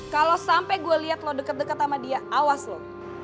kalo sampe gue liat lo deket deket sama dia awas lo